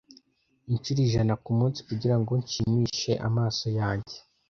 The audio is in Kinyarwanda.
Inshuro ijana kumunsi kugirango nshimishe amaso yanjye.